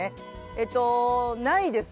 えっとないです。